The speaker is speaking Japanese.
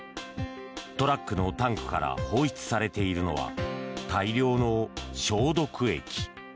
トラックのタンクから放出されているのは大量の消毒液。